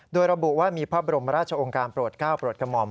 โดยระบุว่ามีพระบรมราชองค์การโปรดก้าวโปรดกระหม่อม